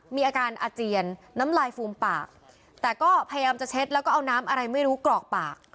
มีอาการอาเจียนน้ำลายฟูมปากแต่ก็พยายามจะเช็ดแล้วก็เอาน้ำอะไรไม่รู้กรอกปาก